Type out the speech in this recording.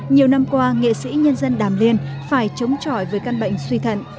nhiều năm qua nghệ sĩ nhân dân đàm liên phải chống chọi với căn bệnh suy thận